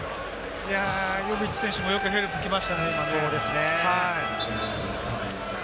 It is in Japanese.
ヨビッチ選手もよくヘルプきましたね。